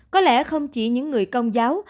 có lẽ không chỉ những người công giáo